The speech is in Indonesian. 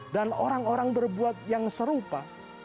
orang orang berbuat yang serupa